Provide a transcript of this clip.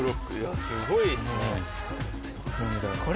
すごいっすね。